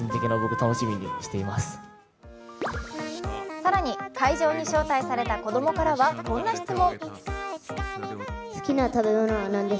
更に会場に招待された子供からはこんな質問。